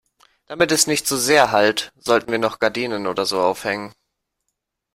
Damit es nicht so sehr hallt, sollten wir noch Gardinen oder so aufhängen.